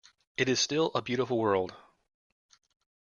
It is still a beautiful world.